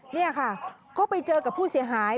นี่ค่ะก็ไปเจอกับผู้เสียหาย